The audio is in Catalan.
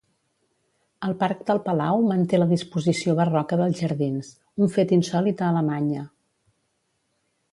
El parc del Palau manté la disposició barroca dels jardins, un fet insòlit a Alemanya.